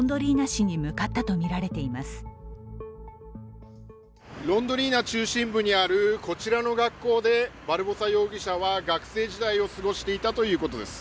市中心部にあるこちらの学校で、バルボサ容疑者は学生時代を過ごしていたということです。